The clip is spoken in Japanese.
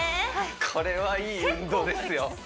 これはいい運動ですよ